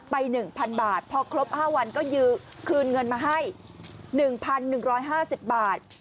๑๐๐๐บาทพอครบ๕วันก็คืนเงินมาให้๑๑๕๐บาท